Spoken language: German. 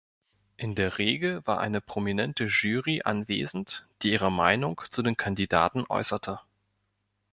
In der Regel war eine prominente Jury anwesend, die ihre Meinung zu den Kandidaten äußerte.